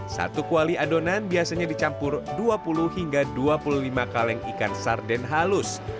satu kuali adonan biasanya dicampur dua puluh hingga dua puluh lima kaleng ikan sarden halus